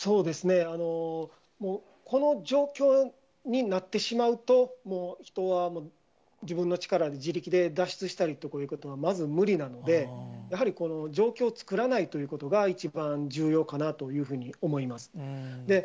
この状況になってしまうと、人は自分の力で、自力で脱出したりとかいうことは、まず無理なので、やはりこの状況を作らないということが一番重要かなというふうに思います。